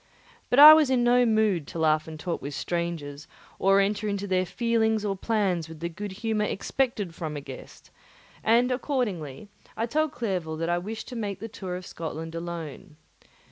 But I was in no mood to laugh and talk with strangers or enter into their feelings or plans with the good humour expected from a guest; and accordingly I told Clerval that I wished to make the tour of Scotland alone.